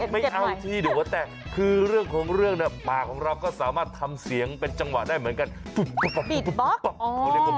ไม่เอาที่ดัวแต่คือเรื่องของเรื่องเนี่ยปากของเราก็สามารถทำเสียงเป็นจังหวะได้เหมือนกัน